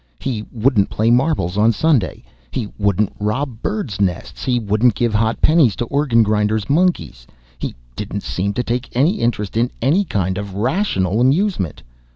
He wouldn't play marbles on Sunday, he wouldn't rob birds' nests, he wouldn't give hot pennies to organ grinders' monkeys; he didn't seem to take any interest in any kind of rational amusement.